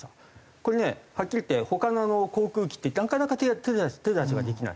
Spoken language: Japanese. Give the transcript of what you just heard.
これねはっきり言って他の航空機ってなかなか手出しができない。